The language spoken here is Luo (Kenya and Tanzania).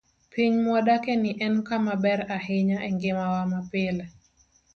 Piny mwadakieni en kama ber ahinya e ngimawa mapile.